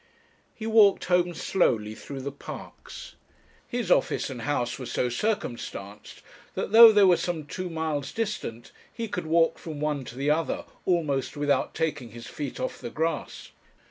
He walked home slowly through the Parks. His office and house were so circumstanced that, though they were some two miles distant, he could walk from one to the other almost without taking his feet off the grass.